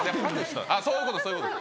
あっそういうことそういうこと。